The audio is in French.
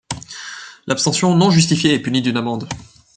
L'abstention non justifiée est punie d'une amende.